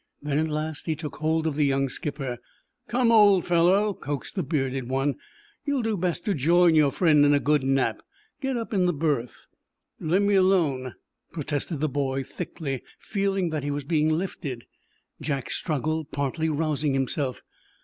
Then, at last, he took hold of the young skipper. "Come, old fellow," coaxed the bearded one, "you'll do best to join your friend in a good nap. Get up in the berth." "Lemme alone," protested the boy, thickly, feeling that he was being lifted. Jack struggled, partly rousing himself.